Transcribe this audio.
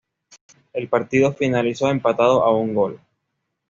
El partido finalizó empatado a un gol.